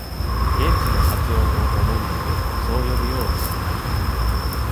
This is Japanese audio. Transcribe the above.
現地の発音を重んじて、そう呼ぶようになった。